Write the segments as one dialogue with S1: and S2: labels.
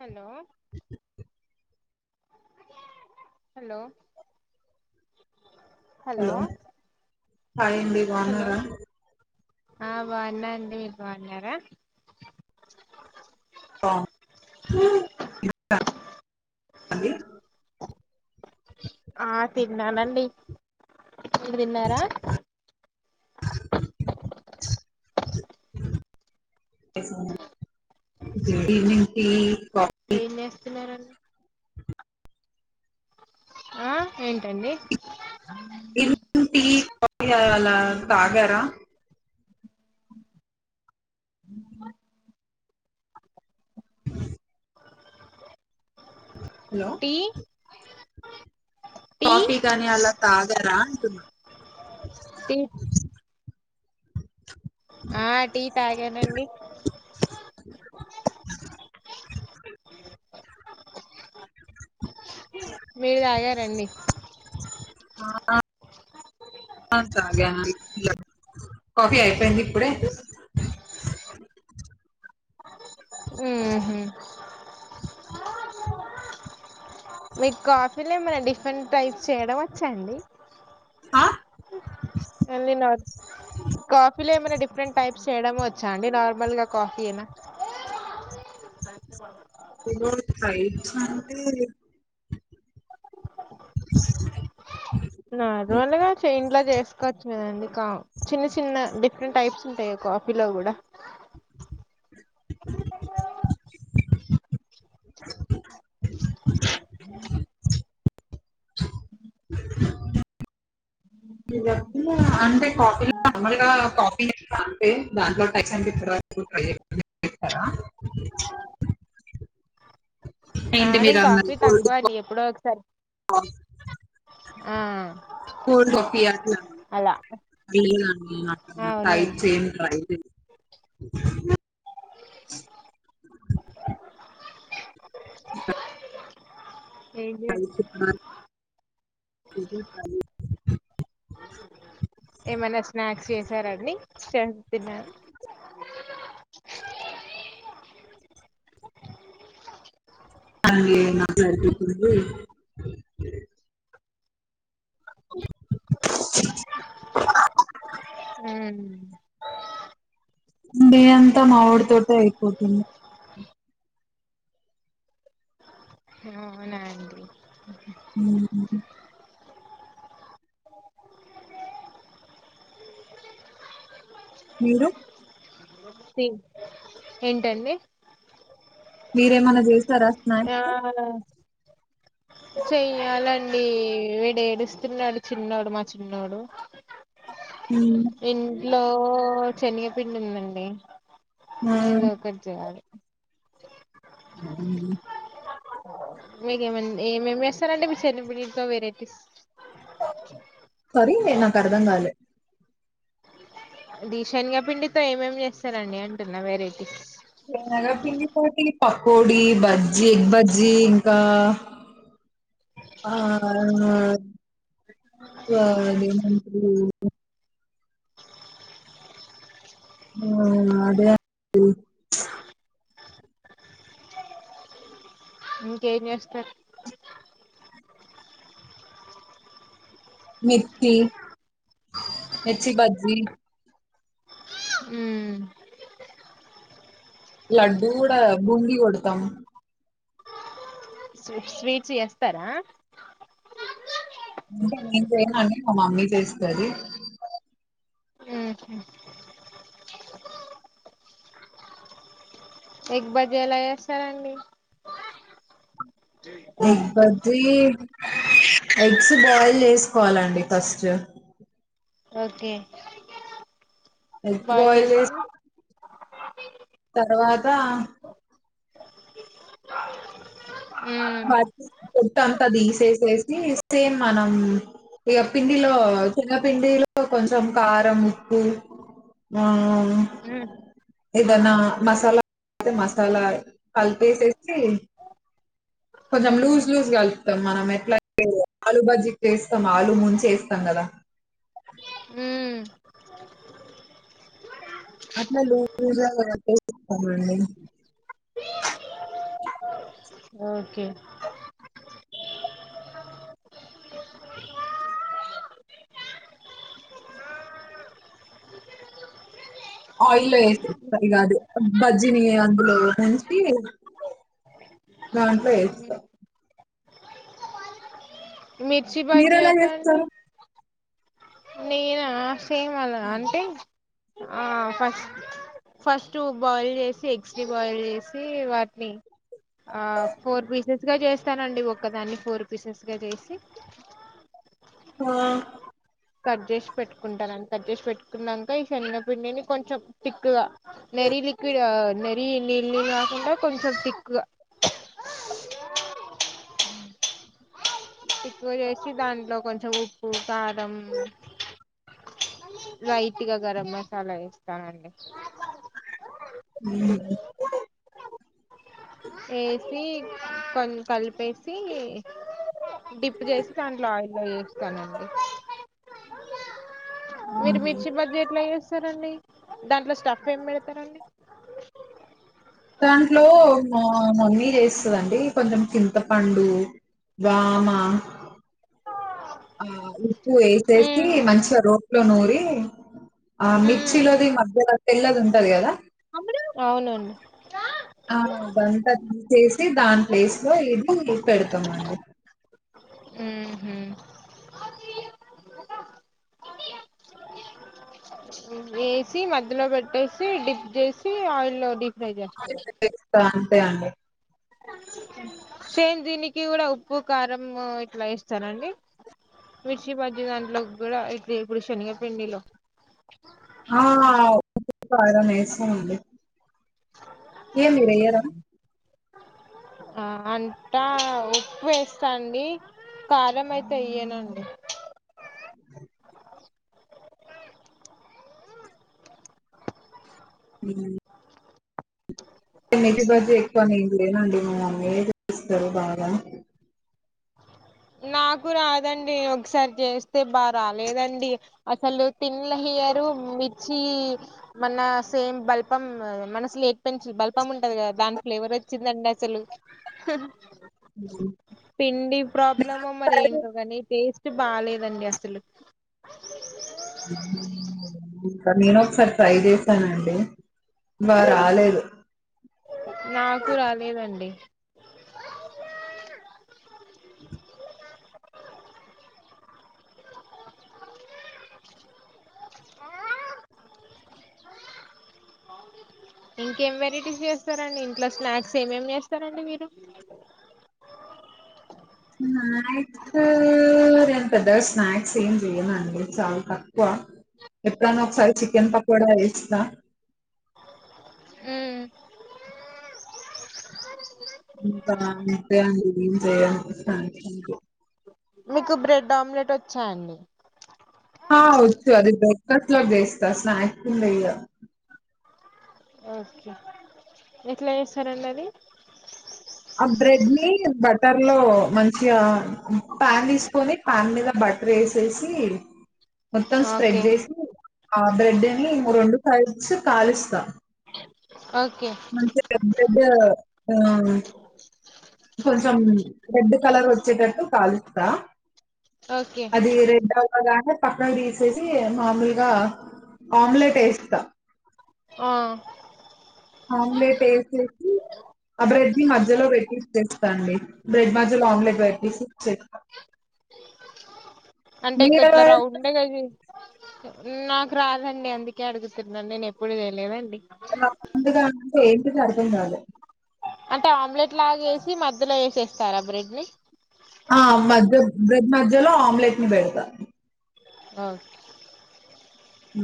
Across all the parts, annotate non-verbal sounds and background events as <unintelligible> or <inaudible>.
S1: hello hello hello
S2: hi అండి బాగున్నారా
S1: ఆ బాగున్న అండి మీర్ బాగున్నారా
S2: అ
S1: ఆ తినం అండి మ్మ్ మీర్ దిన్నార
S2: గుడ్ ఈవినింగ్ టి కఫ్
S1: ఏం చేస్తున్నారండి ఆ ఏంటండి
S2: ఈవినింగ్ టీ కాఫీ అలా తాగారా హలో
S1: టీ టీ
S2: కాఫీ కాని అలా తాగరా అంటున్నా
S1: పిట్ ఆ టీ తాగానండి మీరు తాగారండి
S2: ఆ తాగానండి కాఫీ ఆయిపోయింది ఇప్పుడే
S1: ఉహు మీకు కాఫీలు ఏమైన్నా డిఫరెంట్ టైప్స్ చేయడం వచ్చాండి
S2: ఆ
S1: నార్ కాఫీలో ఏమైనా డిఫరెంట్ టైప్స్ చేయడం వచ్చా అండి నార్మల్గా కాఫీ అనా
S2: <unintelligible>
S1: నర్మలుగా చె ఇంట్లా చేసుకోవచ్చు కదండి కా చిన్న చిన్న డిఫరెంట్ టైప్స్ ఉంటాయా కాఫీలో కూడా
S2: అంటే కాఫీలో నార్మల్గా కాఫీ అంతే దాంట్లో టైస్ అంటే ట్రై చేశారా
S1: ఆ
S2: ఏంటి మీరు
S1: నేను కాఫీ
S2: అందరికి కోల్డ్
S1: తక్కువ అండి ఎప్పుడో ఒకసారి
S2: కాఫీ
S1: ఆ
S2: కోల్డ్ కాఫీ
S1: అలా అవునండి
S2: <unintelligible>
S1: ఏంజె ఏమైన్నా స్నాక్స్ చేసారండి చ తిన్నాను
S2: అ <unintelligible>
S1: ఉమ్
S2: నీ అంతా మామిడి తోట అయిపోతుంది
S1: అవునా అండి
S2: ఉహు మీరు
S1: ఏంటండి
S2: మీరే మన దేశ తరస్
S1: ఆ
S2: నాయికు
S1: చెయ్యాలండి విడేడుస్తున్నాడు చిన్నోడు మా చిన్నోడు ఇంట్లో ఓ శనిగపిండి ఉందండి
S2: ఆ
S1: ఏదో ఒకటి చేయాలి మీకేమండి ఏమేమి చేస్తారంటే మీ <unintelligible> వెరైటీస్
S2: సారీ నాకు అర్థం కాలే
S1: అది శనగపిండితో ఏమేం చేస్తారండి అంటున్నా వెరైటీ
S2: ఎగా పిండితోటి పకోడి బజ్జి ఎగ్ బజ్జి ఇంకా ఆ ఆదేమంటరూ ఆ అదే అండి
S1: ఇంకేం చేస్తున్నారని
S2: మిర్చి మిర్చి బజ్జి
S1: ఉమ్
S2: లడ్డూ కూడా బూంగి కొడతాం
S1: స్వీట్స్ చేస్తారా
S2: నేం చేయనండి మా మమ్మీ చేస్తుంది
S1: ఉహు ఎగ్ బజ్జీ ఎలా చేస్తారండి
S2: ఇబ్బది ఎగ్స్ బాయిల్ చేసుకోవాలండి first
S1: okay
S2: egg
S1: boil
S2: boil
S1: చే
S2: చేసిన తర్వాత ఆ
S1: ఉమ్
S2: <unintelligible> తీసేసేసి సేమ్ మనం ఇగ పిండిలో శనగపిండిలో కొంచెం కారం ఉప్పు ఆ
S1: ఉమ్
S2: ఏదనా మసాలా అ మసాలా కలిపేసేసి కొంచెం
S1: ఉమ్
S2: లూజ్ లూజ్ కలుపుతాం మనం ఎట్లా ఆలు బజ్జీ చేస్తాం ఆలుూ ముంచి వేస్తాం కదా
S1: ఉమ్
S2: అట్లే లూజ్ లూజ్ గ కలిపేస్తామండి
S1: ఓకే
S2: ఆయిల్లో వేసేస్తా కాదు బజ్జిని అందులో ముంచి దాంట్లో వేస్తారు
S1: మిర్చి
S2: మీరు
S1: బజ్జి
S2: ఎలా
S1: అయితె అండి
S2: చేస్తారు
S1: నేనా సేమ్ అల అంటే ఆ ఫస్ట్ ఫస్ట్ బాయిల్ చేసి ఎగ్స్ని బాయిల్ చేసి వాటిని ఆ ఫోర్ పీసెస్గా చేస్తానండి ఒక్కదాన్ని ఫోర్ పీసెస్గా చేసి
S2: ఆ
S1: కట్ చేసి పెట్టుకుంటానుని కట్ చేసి పెట్టుకున్నాక ఈ శన్నపిండిని కొంచెం తిక్కుగా నెరి లిక్కువిడ్ మరిీ నీళ్ళ నీళ్ళు రాకుండా కొంచెం తిక్కుగా ఎక్కువ చేసి దాంట్లో కొంచెం ఉప్పు కారం లైట్గా గరం మసాలా ఏస్తానండి
S2: ఉండ్డిది
S1: వేసి కొ కలిపేసి డిప్ చేసి దాంట్లో ఆయిలో యే స్థానండి మీరు మిర్చి బజ్జి ఎట్లా ండి దాంట్లో స్టఫ్ ఏం పెడతారండి
S2: దాంట్లో మా మమ్మీ చేస్తాదండి కొంచెం చింతపండు వామ ఆ ఉప్పు వేసేసి
S1: ఉమ్
S2: మంచిగా రోట్లో నూరి ఆ మిర్చిలోది మధ్యలో తెల్లది ఉంటది కదా
S1: అవునండి
S2: ఆ బంత దాని ప్లేస్ లో ఇది పెడతామండి
S1: హ్మ్ హు వేసి మధ్యలో పెట్టేసి డిప్ చేసి ఆయిల్లో డిప్
S2: స్తా తే అండి
S1: సేమ్ దీనికి కూడా ఉప్పు కారం ఇట్లా ఏస్తారండి మిర్చి బజ్జి దాంట్లోకి కూడా ఇపుడు శనిగపిండిలో
S2: ఆ పు కారం ఎస్తామండి ఏ మీరెయ్యరా
S1: ఆ అంతా ఉప్పు వేస్తా అండి కారం అయితే ఎయ్యానుండి
S2: హ్మ్ మజబజ ఎక్కువ నేం లేనండి మ అన్నీస్తారు బాగా
S1: నాకు రాదండి ఒకసారి చేస్తే బాగా రాలేదండి అసలు తిన్ల హెయర్ మిర్చి మన సేమ్ బల్పం మనసలు ఎ పెచి బలపం ఉంటది క దాని ఫ్లేవర్ వచ్చిందండి అసలు హ పిండి ప్రప్ ప్రాబ్లమ్ మరి ఏంటోగానీ టేస్ బాలేదండి అసలు
S2: ఇంకా నేను ఒకసారి ట్రై చేసానండి బా రాలేదు
S1: నాకు రాలేదండి ఆ ఇంకేం వెరైటీస్ చేస్తారండి ఇంట్లో స్నాక్స్ ఏమేమి చేస్తారండి మీరు
S2: స్నాక్ పెద్ద స్నాక్స్ం చేయన్నాండి చాలు తక్కువ ఎప్ప నస చికెన్ పకోడా అయిస్తా
S1: ఊ
S2: ఇకా అ
S1: మీకు బ్రెడ్ ఆమ్లెట్ వచ్చాయండి
S2: ఆ వచ్చు అది ద లో వేస్తా స్నాక్స్ కింద వేయ
S1: ఓకే ఎట్లా చేస్తారండి అది
S2: ఆ బ్రెడ్ ని బటర్ లో మంచిగా ప్యాన్ తీసుకొని ప్యాన్ మీద బటర్ వేసేసి మొత్తం స్ప్రెడ్
S1: ఓకే
S2: చేసి ఆ బ్రెడ్ అని రెండు కైస్ కాలుస్తా
S1: ఓకే
S2: మంచి దద్ద దద్ద ఆ కొంచెం రెడ్ కలర్ వచ్చేటట్టు కాలుస్తా
S1: ఓకే
S2: అది రెడ్డ అవ్వగానే పక్కన తీసేసి మామూలుగా ఆమ్లెట్ వేస్తా
S1: ఆ
S2: ఆమ్లెట్ వేసేసి ఆ బ్రెడ్ ని మధ్యలో వెప్పస్స్తాండి బ్రెడ్ మధ్యలో ఆమ్లెట్ వెటిసిస్తా
S1: అంటే ఇక్కట్లా రావుండే కది నాకు రాదండి అందుకే అడుగుతున్నాను నేను ఎప్పుడు తెలేదండి
S2: ఇ అడకుంటాల
S1: అంటే ఆమ్లెట్ లాగ వేసి మధ్యలో వేసేస్తారా బ్రెడ్ ని
S2: ఆ మధ్య బ్రెడ్ మధ్యలో ఆమ్లెట్ ని పెడతా
S1: ఆ
S2: హ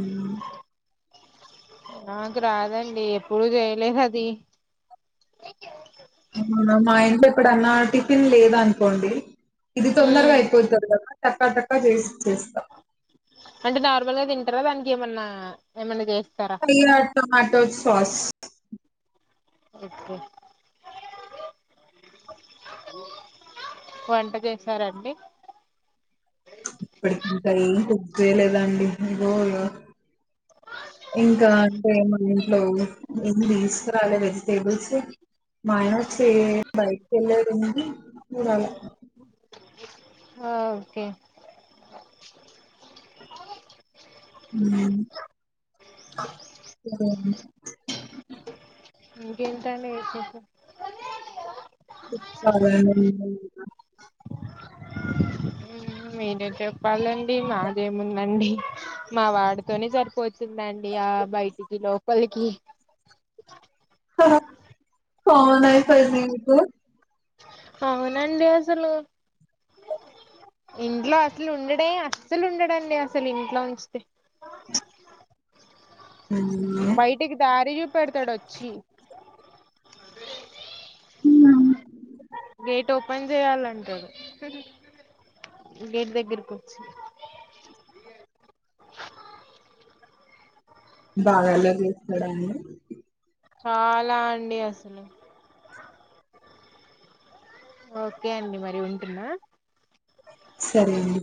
S1: నాకు రాదండి ఎప్పుడు చేయలేదు అది
S2: వు మా ఇంట్లో ఎప్పుడన్నా టిఫిన్ లేద అనుకోండి ఇది తొందరగా
S1: ఉమ్
S2: అయిపోతది కదా టకా టకా చేసి చేస్తాం
S1: అంటే నార్మల్ గా తింటారా దానికి ఏమన్నా ఏమన్నా చేస్త
S2: పయయా టమాటో సోస్
S1: ఓకే వంట చేసారండి
S2: ఇప్పటికి ఇంకా ఏం పెే లేదండి రో ఇంకా అంటే మా ఇంట్లో ఏం తీసుకురాలి వెజిటేబుల్స్ మాయ సేమ్ బైక్ల ర మూడాల
S1: ఓకే
S2: అ
S1: ఇంకేంటండి
S2: <inaudible>
S1: మీరే చెప్పాలండి నాదేముందండి మా మా వాడితోనే సరిపోతుందండి ఆ బయటికి లోపలికి
S2: ఫన్నా కాయిది ఇప్పు <inaudible>
S1: అవునండి అసలు ఇంట్లో అసలు ఉండనే అస్సలు ఉండడండి అసలు ఇంట్లో నుంచి బయటికి దారి చూపెడతాడు వచ్చి గేట్ ఓపెన్ చేయాలంటాడు గేట్ దగ్గరకు వచ్చి
S2: బాగా అల్లరి చేస్తాడండి
S1: చాలా అండి అసలు ఓకే నండి మరి ఉంటున్నా
S2: సరే అండి